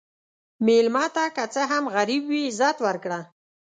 مېلمه ته که څه هم غریب وي، عزت ورکړه.